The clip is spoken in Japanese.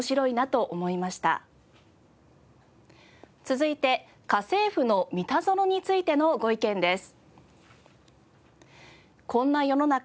続いて『家政夫のミタゾノ』についてのご意見です。